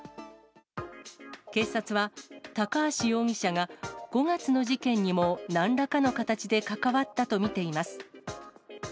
警察は高橋容疑者が、５月の事件にもなんらかの形で関わったと見ています。